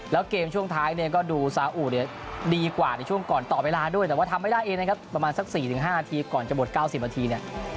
แล้วเกมช่วงท้ายเนี่ยก็ดูซาอุเนี่ยดีกว่าในช่วงก่อนต่อเวลาด้วยแต่ว่าทำไม่ได้เองนะครับประมาณสัก๔๕นาทีก่อนจะหมด๙๐นาทีเนี่ย